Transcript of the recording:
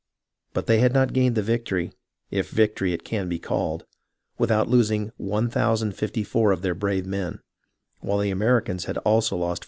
But they had not gained the victory — if victory it can be called — without losing 1054 of their brave men, while the Americans had also lost 449.